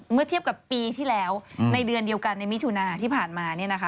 เมื่อเทียบกับปีที่แล้วในเดือนเดียวกันในมิถุนาที่ผ่านมาเนี่ยนะคะ